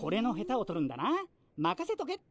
まかせとけって。